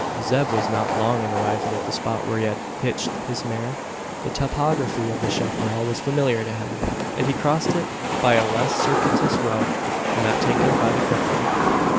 Zeb was not long in arriving at the spot where he had "hitched" his mare. The topography of the chapparal was familiar to him; and he crossed it by a less circuitous route than that taken by the cripple.